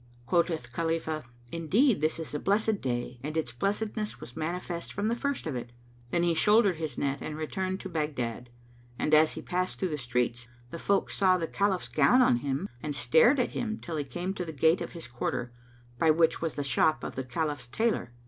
Quoth Khalifah, "Indeed, this is a blessed day and its blessedness was manifest from the first of it!"[FN#228] Then he shouldered his net and returned to Baghdad; and as he passed through the streets, the folk saw the Caliph's gown on him and stared at him till he came to the gate of his quarter, by which was the shop of the Caliph's tailor.